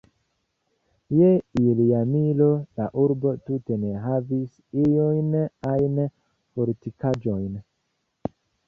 Je ilia miro, la urbo tute ne havis iujn ajn fortikaĵojn.